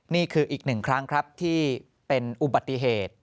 นี่คืออีกหนึ่งครั้งครับที่เป็นอุบัติเหตุ